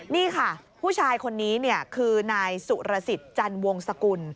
นี่ค่ะผู้ชายคนนี้คือนายสุรสิทธิ์จันวงศกุล